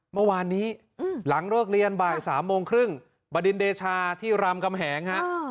เมื่อวานนี้หลังเลิกเรียนบ่าย๓โมงครึ่งบดินเดชาที่รามกำแหงฮะ